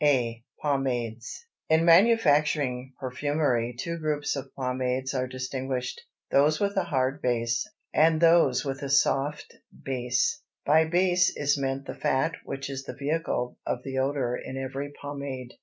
A. Pomades. In manufacturing perfumery two groups of pomades are distinguished—those with a hard base, and those with a soft base. By base is meant the fat which is the vehicle of the odor in every pomade.